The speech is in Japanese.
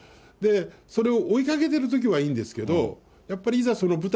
それを追いかけてるときはいいんですけど、やっぱりいざその舞台